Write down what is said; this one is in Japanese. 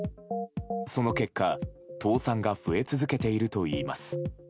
その結果、倒産が増え続けているといいます。